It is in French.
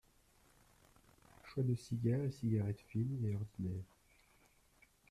Choix de cigares et cigarettes fines et ordinaires.